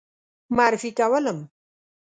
معرفي کولم.